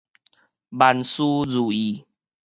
萬事如意